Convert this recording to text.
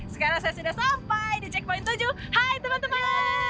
sekarang saya sudah sampai di checkpoint tujuh hai teman teman